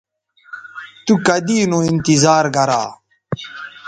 تو کدی نو انتظار گرا